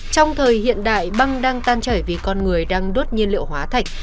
trong thời hiện đại băng đang tan chảy vì con người đang đốt nhiên liệu hóa thạch